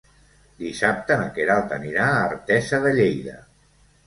Dissabte na Queralt anirà a Artesa de Lleida.